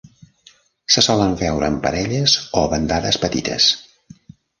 Se solen veure en parelles o bandades petites.